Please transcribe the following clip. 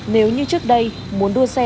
nếu như trước đây muốn đua xe